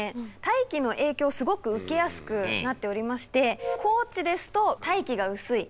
大気の影響をすごく受けやすくなっておりまして高地ですと大気が薄い。